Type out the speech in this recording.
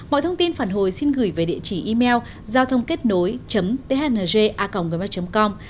mọi thông tin phản hồi xin gửi về địa chỉ email giao thôngkếtnối thng com